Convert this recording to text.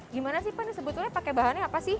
gimana sih pak ini sebetulnya pakai bahannya apa sih